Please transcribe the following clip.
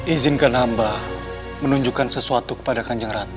izinkan hamba menunjukkan sesuatu kepada kanjeng ratu